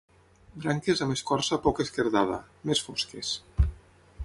Branques amb escorça poc esquerdada, més fosques.